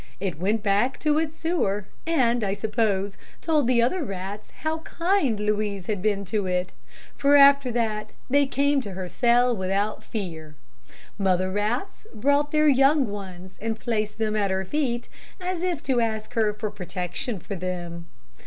It went back to its sewer, and, I suppose, told the other rats how kind Louise had been to it, for after that they came to her cell without fear. Mother rats brought their young ones and placed them at her feet, as if to ask her protection for them.